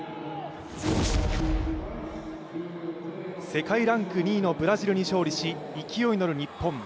世界ランク２位のブラジルに勝利し勢いに乗る日本。